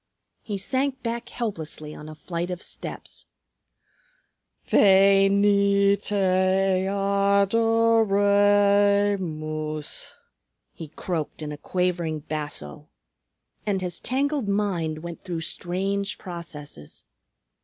He sank back helplessly on a flight of steps. "Ve ni te a do re mus!" he croaked in a quavering basso. And his tangled mind went through strange processes.